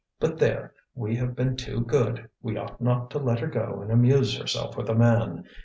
But there! we have been too good, we ought not to let her go and amuse herself with a man.